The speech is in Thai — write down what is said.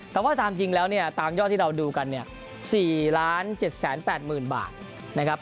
แต่ว่าตามจริงแล้วเนี่ยตามยอดที่เราดูกันเนี่ย๔๗๘๐๐๐บาทนะครับ